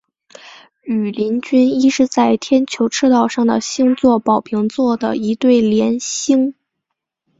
羽林军一是在天球赤道上的星座宝瓶座的一对联星。